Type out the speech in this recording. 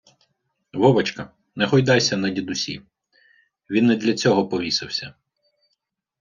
Вовочка, не гойдайся на дідусі, він не для цього повісився